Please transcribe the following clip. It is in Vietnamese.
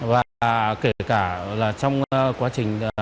và kể cả là trong quá trình